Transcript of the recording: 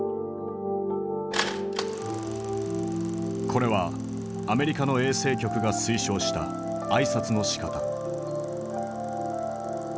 これはアメリカの衛生局が推奨した挨拶のしかた。